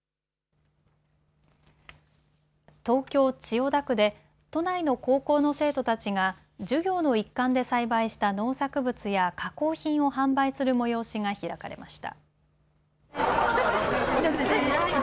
東京千代田区で都内の高校の生徒たちが授業の一環で栽培した農作物や加工品を販売する催しが開かれました。